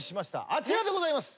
あちらでございます。